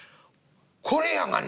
これやがな』